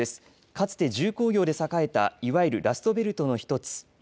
かつて重工業で栄えたいわゆるラストベルトの１つ。